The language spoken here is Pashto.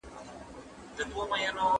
لس يوه ډله عددونه ده.